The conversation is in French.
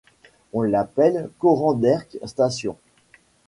On l’appelle Corranderk Station.